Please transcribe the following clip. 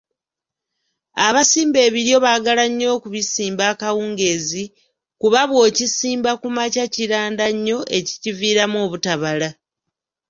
Abasimba ebiryo baagala nnyo okubisimba akawungeezi kuba bw’okisimba ku makya kiranda nnyo ekikiviiramu obutabala.